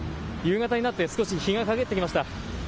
夕方になって少し日がかげってきました。